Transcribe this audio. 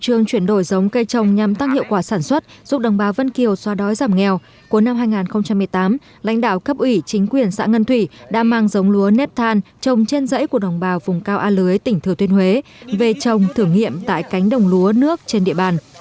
trước chuyển đổi giống cây trồng nhằm tăng hiệu quả sản xuất giúp đồng bào vân kiều xoa đói giảm nghèo cuối năm hai nghìn một mươi tám lãnh đạo cấp ủy chính quyền xã ngân thủy đã mang giống lúa nếp than trồng trên dãy của đồng bào vùng cao a lưới tỉnh thừa tuyên huế về trồng thử nghiệm tại cánh đồng lúa nước trên địa bàn